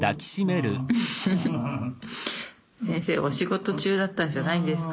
フフフ先生お仕事中だったんじゃないんですか？